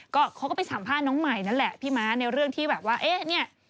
เขาก็ไปสัมภาษณ์น้องใหม่นั่นแหละพี่ม้าในเรื่องที่แบบว่า